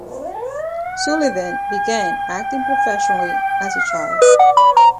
Sullivan began acting professionally as a child.